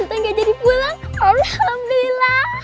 sultan gak jadi pulang alhamdulillah